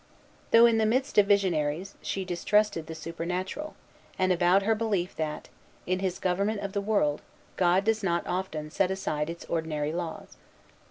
Though in the midst of visionaries, she distrusted the supernatural, and avowed her belief, that, in His government of the world, God does not often set aside its ordinary laws.